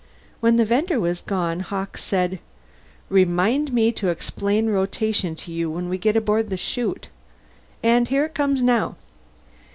When the vender was gone, Hawkes said, "Remind me to explain rotation to you when we get aboard the Shoot. And here it comes now."